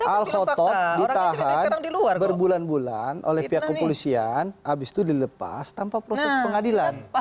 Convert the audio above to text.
al khotot ditahan berbulan bulan oleh pihak kepolisian habis itu dilepas tanpa proses pengadilan